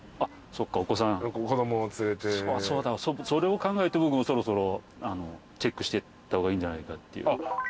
そうだそれを考えて僕もそろそろチェックしてった方がいいんじゃないかっていう。